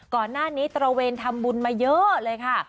ก่อนหน้านี้ตระเวนทำบุญมาเยอะเลยค่ะ